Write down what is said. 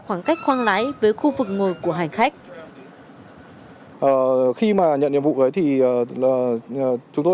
khoảng cách khoang lái với khu vực ngồi của hành khách khi mà nhận nhiệm vụ ấy thì là chúng tôi